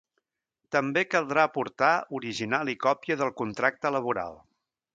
També caldrà aportar original i còpia del contracte laboral.